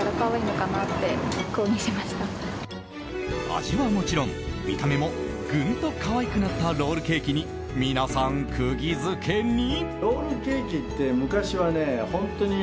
味はもちろん見た目も、ぐんと可愛くなったロールケーキに皆さん釘付けに。